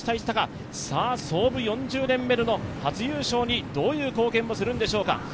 創部４０年目での初優勝にどういう貢献をするんでしょうか。